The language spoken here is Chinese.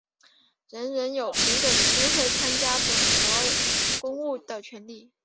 人人有平等机会参加本国公务的权利。